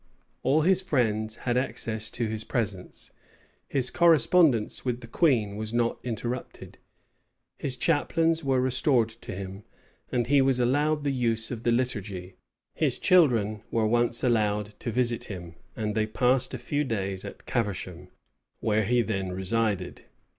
All his friends had access to his presence: his correspondence with the queen was not interrupted: his chaplains were restored to him, and he was allowed the use of the liturgy. His children were once allowed to visit him, and they passed a few days at Caversham, where he then resided.